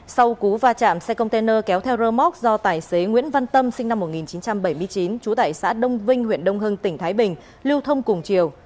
sau cú va chạm xe container kéo theo rơ móc do tài xế nguyễn văn tâm sinh năm một nghìn chín trăm bảy mươi chín trú tại xã đông vinh huyện đông hưng tỉnh thái bình lưu thông cùng chiều